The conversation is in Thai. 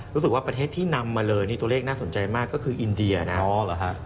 รู้สึกว่าประเทศที่นำมาเลยตัวเลขน่าสนใจมากก็คืออินเดียนะครับ